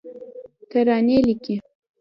ترانې لیکې